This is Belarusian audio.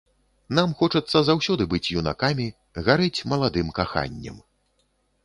Нам хочацца заўсёды быць юнакамі, гарэць маладым каханнем.